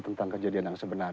tentang kejadian yang sebenarnya